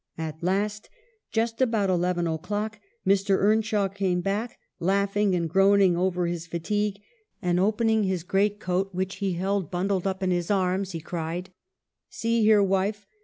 At last — just about eleven o'clock — Mr. Earnshaw came back, laughing and groaning over his fa tigue ; and opening his greatcoat, which he held >undled up in his arms, he cried :"' See here, wife